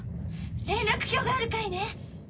連絡橋がある階ね。